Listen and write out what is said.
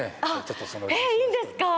えっ、いいんですか。